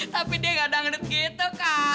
tapi dia gak dangdut gitu kali